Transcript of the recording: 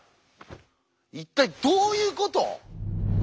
一体どういうこと？